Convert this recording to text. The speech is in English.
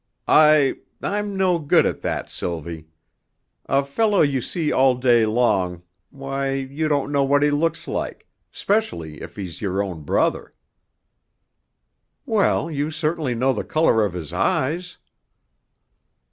"I I'm no good at that, Sylvie. A fellow you see all day long why, you don't know what he looks like, 'specially if he's your own brother." "Well, you certainly know the color of his eyes."